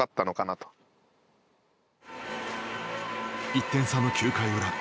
１点差の９回裏。